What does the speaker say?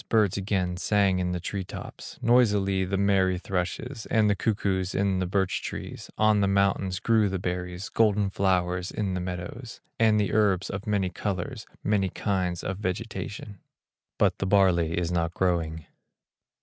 Birds again sang in the tree tops, Noisily the merry thrushes, And the cuckoos in the birch trees; On the mountains grew the berries, Golden flowers in the meadows, And the herbs of many colors, Many kinds of vegetation; But the barley is not growing.